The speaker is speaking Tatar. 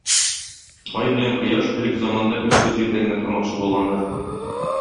Ай белән Кояш элек заманда гел бер җирдә генә тормакчы булганнар.